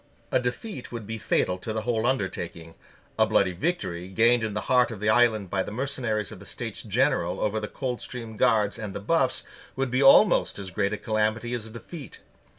A defeat would be fatal to the whole undertaking. A bloody victory gained in the heart of the island by the mercenaries of the States General over the Coldstream Guards and the Buffs would be almost as great a calamity as a defeat.